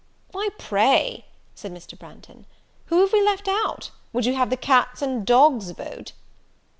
"Why, pray," said Mr. Branghton, "who have we left out? would you have the cats and dogs vote?"